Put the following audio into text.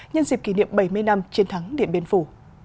nhân dịp kỷ niệm bảy mươi năm chiến thắng điện biên phủ